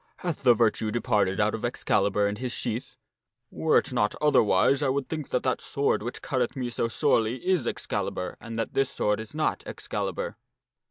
Hath the virtue departed out of Ex calibur and his sheath ? Were it not otherwise I would think that that sword which cutteth me so sorely is Excalibur and that this sword is not Excalibur."